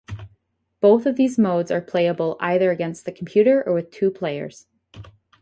Both of these modes are playable either against the computer or with two players.